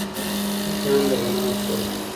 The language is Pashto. ټپیان درملنه شول